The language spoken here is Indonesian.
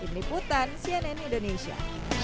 ini putan cnn indonesia